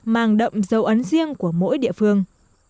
mang động dấu ấn riêng của mỗi địa phương